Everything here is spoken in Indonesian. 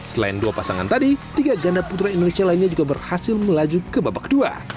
selain dua pasangan tadi tiga ganda putra indonesia lainnya juga berhasil melaju ke babak kedua